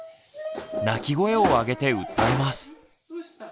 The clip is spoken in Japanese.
泣き声を上げて訴えます。